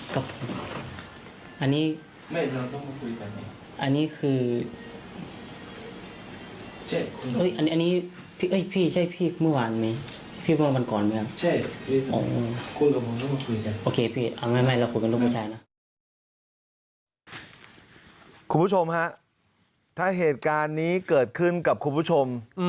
คุณผู้ชมฮะถ้าเหตุการณ์นี้เกิดขึ้นกับคุณผู้ชม